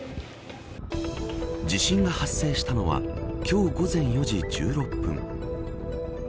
地震が発生したのは今日午前４時１６分。